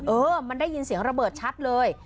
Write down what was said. เออมันได้ยินเสียงระเบิดชัดเลย